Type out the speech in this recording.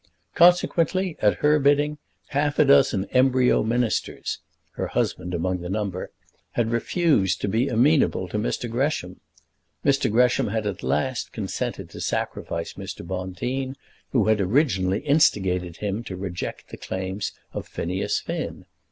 Consequently, at her bidding, half a dozen embryo Ministers her husband among the number had refused to be amenable to Mr. Gresham. Mr. Gresham had at last consented to sacrifice Mr. Bonteen, who had originally instigated him to reject the claims of Phineas Finn.